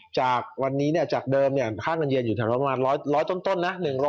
จากวันนี้เนี่ยจากเดิมเนี่ยค่าเงินเยนอยู่ทางร้อยร้อยต้นนะ